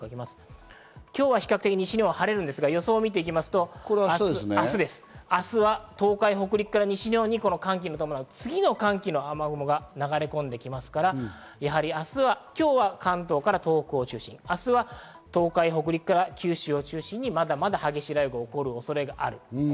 今日は比較的、西日本は晴れますが予想を見ると明日は東海、北陸、西日本にかけて寒気に伴う雨雲が流れ込んできますから今日は関東から東北、明日は東海・北陸から九州を中心にまだまだ激しい雷雨が起こる恐れがあります。